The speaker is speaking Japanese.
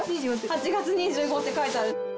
８月２５って書いてある。